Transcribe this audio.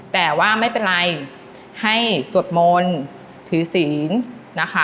แต่ว่าไม่เป็นไรให้สวดมนต์ถือศีลนะคะ